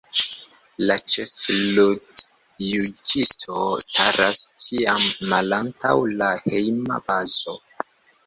La ĉef-ludjuĝisto staras ĉiam malantaŭ la Hejma Bazo.